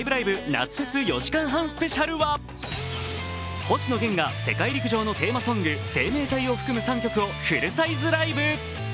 夏フェス４時間半ＳＰ」は星野源が世界陸上のテーマソング「生命体」を含む３曲をフルサイズライブ。